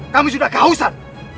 kami sudah kehausan